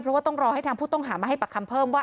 เพราะว่าต้องรอให้ทางผู้ต้องหามาให้ปากคำเพิ่มว่า